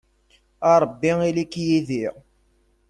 A Ṛebbi ili-k yid-i.